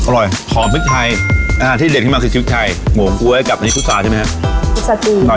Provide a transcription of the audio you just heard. อร่อยอ่างที่เหลียดขึ้นมาคือชีวิตไทยหมวก๊วยกับอันนี้ขุสาใช่ไหมครับ